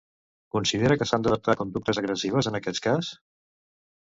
Considera que s'han d'adaptar conductes agressives en aquest cas?